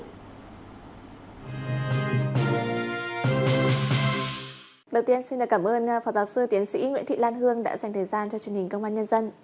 đầu tiên xin cảm ơn phó giáo sư tiến sĩ nguyễn thị lan hương đã dành thời gian cho truyền hình công an nhân dân